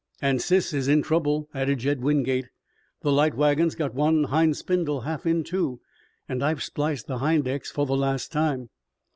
"And Sis is in trouble," added Jed Wingate. "The light wagon's got one hind spindle half in two, and I've spliced the hind ex for the last time."